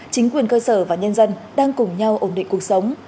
chính quyền cơ sở và nhân dân đang cùng nhau ổn định cuộc sống